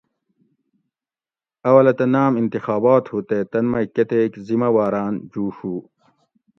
اولہ تہ ناۤم انتخابات ہُو تے تن مئی کۤتیک ذمہ واۤراۤن جُوڛو